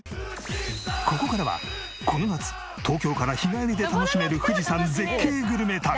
ここからはこの夏東京から日帰りで楽しめる富士山絶景グルメ旅。